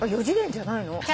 ４次元じゃないの？